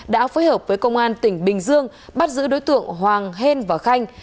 đã phối hợp với công an tỉnh bình dương bắt giữ đối tượng hoàng hên và khanh